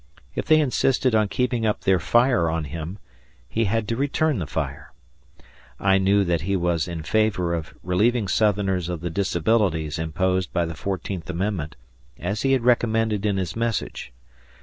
If they insisted on keeping up their fire on him, he had to return the fire. I knew that he was in favorof relieving Southerners of the disabilities imposed by the Fourteenth Amendment, as he had recommended in his message.